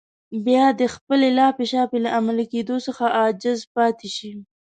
بيا د خپلې لاپې شاپې له عملي کېدو څخه عاجز پاتې شي.